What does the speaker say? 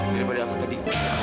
daripada aku tadi